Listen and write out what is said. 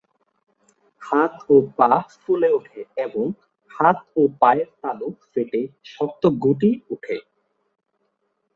হাত ও পা ফুলে ওঠে এবং হাত ও পায়ের তালু ফেটে শক্ত গুটি ওঠে।